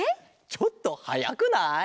ちょっとはやくない？